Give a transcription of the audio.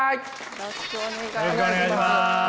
よろしくお願いします。